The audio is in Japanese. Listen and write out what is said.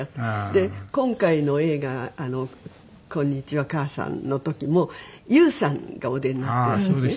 で今回の映画『こんにちは、母さん』の時もＹＯＵさんがお出になってらっしゃって。